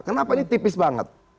kenapa ini tipis banget